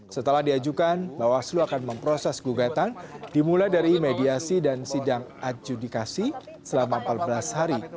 setelah diajukan bawaslu akan memproses gugatan dimulai dari mediasi dan sidang adjudikasi selama empat belas hari